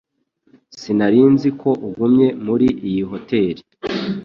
Sinari nzi ko ugumye muri iyi hoteri